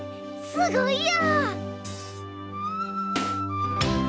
すごいや！